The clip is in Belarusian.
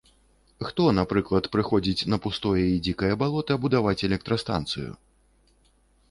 Хто, напрыклад, прыходзіць на пустое і дзікае балота будаваць электрастанцыю?